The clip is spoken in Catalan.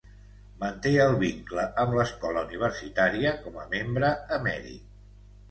Manté el vincle amb l'Escola Universitària com a Membre Emèrit.